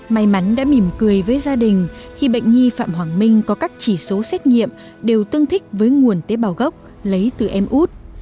may mắn đã mỉm cười với gia đình khi bệnh nhi phạm hoàng minh có các chỉ số xét nghiệm đều tương thích với nguồn tế bào gốc lấy từ em út